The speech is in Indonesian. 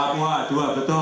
papua dua betul